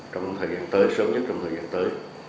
trong thời gian tới sớm nhất trong thời gian tới